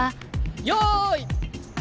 よい。